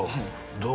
どう？